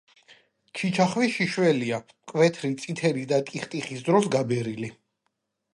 ჩიჩახვი შიშველია, მკვეთრი წითელი და ტიხტიხის დროს გაბერილი.